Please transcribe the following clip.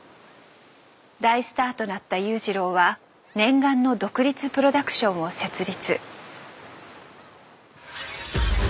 大スターとなった裕次郎は念願の独立プロダクションを設立。